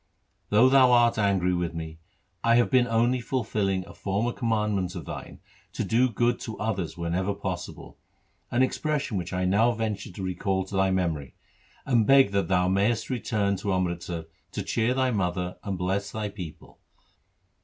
Though thou art angry with me, I have been only fulfilling a former com mandment of thine to do good to others whenever possible, an expression which I now venture to recall to thy memory, and beg that thou mayest return to Amritsar to cheer thy mother and bless thy people.'